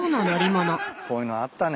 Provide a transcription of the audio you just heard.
こういうのあったね。